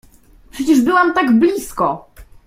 — Przecież byłam tak blisko!